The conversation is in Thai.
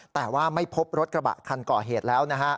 แต่ว่าไม่พบรถกระบะคันก่อเหตุแล้วนะฮะ